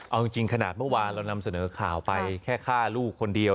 เอาจริงขนาดเมื่อวานเรานำเสนอข่าวไปแค่ฆ่าลูกคนเดียว